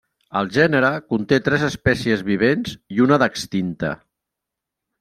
El gènere conté tres espècies vivents i una d'extinta.